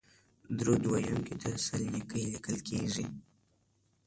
درود ویونکي ته لس نېکۍ لیکل کیږي